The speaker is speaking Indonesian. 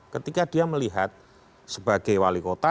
ketika dia melihat sebagai wali kota